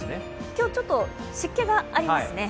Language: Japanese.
今日ちょっと湿気がありますね。